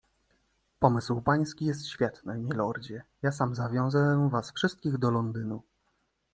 "Pomysł pański jest świetny, milordzie, ja sam zawiozę was wszystkich do Londynu."